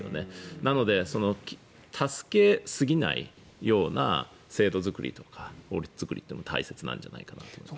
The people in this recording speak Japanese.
なので、助けすぎないような制度作りとか法律作りも大切なんじゃないかと思います。